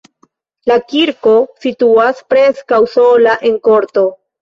La kirko situas preskaŭ sola en korto.